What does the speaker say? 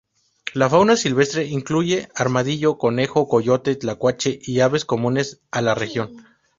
La fauna silvestre incluye armadillo, conejo, coyote, tlacuache y aves comunes a la región.